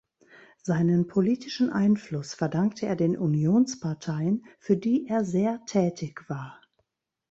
Seinen politischen Einfluss verdankte er den Unionsparteien, für die er sehr tätig war.